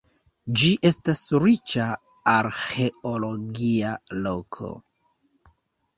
Ĝi estas riĉa arĥeologia loko.